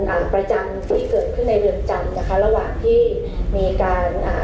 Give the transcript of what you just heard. อ่าประจำที่เกิดขึ้นในเรือนจำนะคะระหว่างที่มีการอ่า